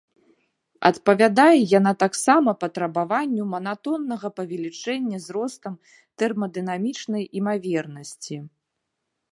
Адпавядае яна таксама патрабаванню манатоннага павелічэння з ростам тэрмадынамічнай імавернасці.